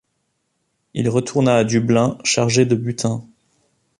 Il retourna à Dublin chargé de butin.